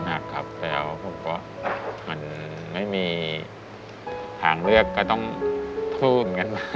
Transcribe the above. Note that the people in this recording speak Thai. นักครับแต่ว่าผมก็มันไม่มีทางเลือกก็ต้องพูด